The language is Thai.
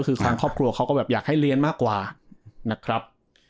คือทางครอบครัวเขาก็แบบอยากให้เรียนมากกว่านะครับ